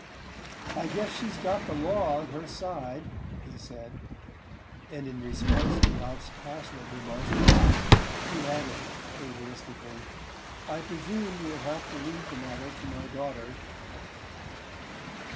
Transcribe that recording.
"I guess she's got the law on her side," he said; and in response to Ralph's passionate remonstrances he added fatalistically: "I presume you'll have to leave the matter to my daughter."